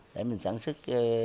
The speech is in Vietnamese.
để mình sản xuất